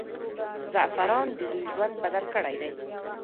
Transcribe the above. زعفران د دوی ژوند بدل کړی دی.